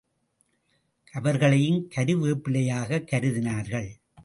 அவர்களையும் கருவேப்பிலையாக கருதினார்கள்.